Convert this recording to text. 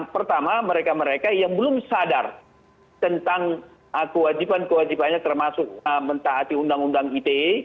pertama mereka mereka yang belum sadar tentang kewajiban kewajibannya termasuk mentaati undang undang ite